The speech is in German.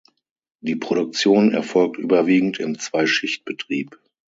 Die Produktion erfolgt überwiegend im Zwei-Schicht-Betrieb.